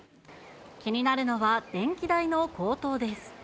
気になるのは電気代の高騰です。